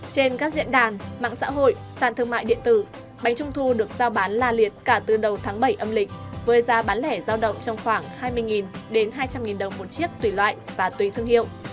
trên các diễn đàn mạng xã hội sàn thương mại điện tử bánh trung thu được giao bán la liệt cả từ đầu tháng bảy âm lịch với giá bán lẻ giao động trong khoảng hai mươi đến hai trăm linh đồng một chiếc tùy loại và tùy thương hiệu